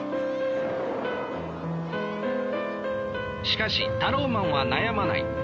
しかしタローマンは悩まない。